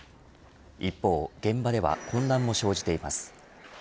一方、現場では混乱も生じています。